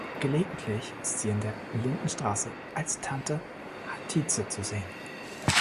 Gelegentlich ist sie in der "Lindenstraße" als Tante Hatice zu sehen.